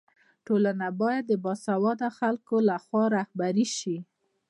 ټولنه باید د باسواده خلکو لخوا رهبري سي.